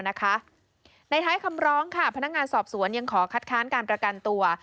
ในท้ายคำร้องค่ะพนักงานสอบสวนยังขอคัดค้านการประกันตัว